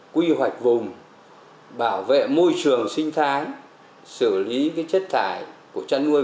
quy hoạch vùng bảo vệ môi trường sinh thái xử lý chất thải của chăn nuôi